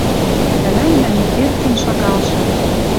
Тӓлӓндӓ мир верцӹн шагалшы